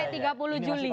sampai tiga puluh juli